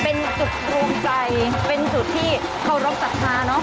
เป็นจุดรวมใจเป็นจุดที่เคารพสัทธาเนอะ